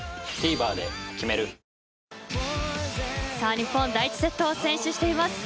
日本第１セットを先取しています。